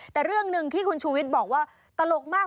แต่เรื่องหนึ่งที่คุณชูวิทย์บอกว่าตลกมาก